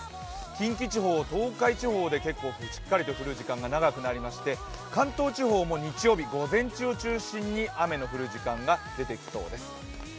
近畿地方、東海地方で結構しっかりと降る時間が長くなりまして関東地方も日曜日午前中を中心に雨の降る時間が出てきそうです。